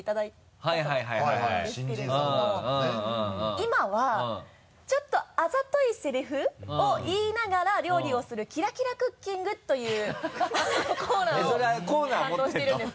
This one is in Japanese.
今はちょっとあざといセリフを言いながら料理をする「キラキラクッキング」というコーナーを担当しているんです。